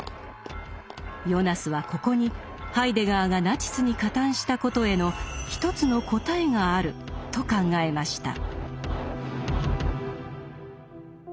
ヨナスはここにハイデガーがナチスに加担したことへの一つの答えがあると考えました。